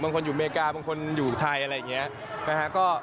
บางคนอยู่อเมริกาบางคนอยู่ไทยอะไรอย่างนี้